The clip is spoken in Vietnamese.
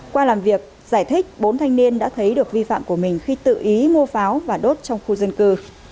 qua làm việc giải thích bốn thanh niên đã thấy được vi phạm của mình khi tự ý mua pháo và đốt trong khu dân cư